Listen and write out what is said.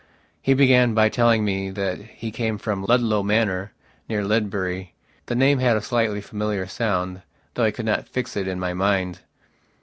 . He began by telling me that he came from Ludlow Manor, near Ledbury. The name had a slightly familiar sound, though I could not fix it in my mind.